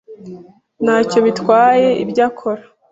Ntacyo bitwaye ibyo akora.